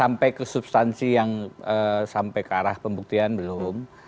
sampai ke substansi yang sampai ke arah pembuktian belum